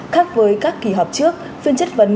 khác với các kỳ họp trước phiên chất vấn